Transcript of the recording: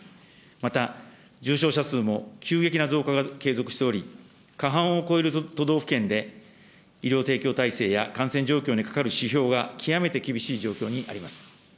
また重症者数も急激な増加が継続しており、過半を超える都道府県で、医療提供体制や感染状況にかかる指標が極めて厳しい状況にあります。